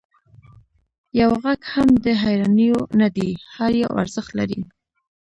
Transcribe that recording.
یو غږ هم د هېروانیو نه دی، هر یو ارزښت لري.